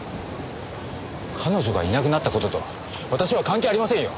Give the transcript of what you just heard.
彼女がいなくなった事と私は関係ありませんよ。